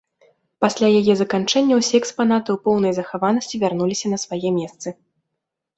Пасля яе заканчэння ўсе экспанаты ў поўнай захаванасці вярнуліся на свае месцы.